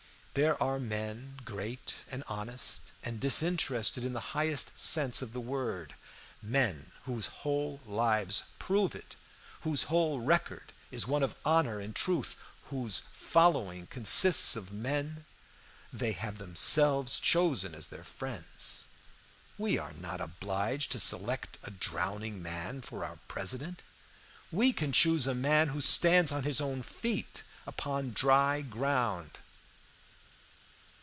There are men great and honest, and disinterested in the highest sense of the word men whose whole lives prove it, whose whole record is one of honor and truth, whose following consists of men they have themselves chosen as their friends. We are not obliged to select a drowning man for our President; we can choose a man who stands on his own feet upon dry ground.